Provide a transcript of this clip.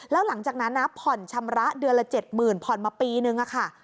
แล้วหลังจากนั้นนะผ่อนชำระเดือนละ๗๐๐ผ่อนมาปีนึงค่ะ